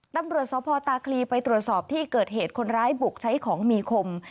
ตำรวจสพตาคลีไปตรวจสอบที่เกิดเหตุคนร้ายบุกใช้ของมีคม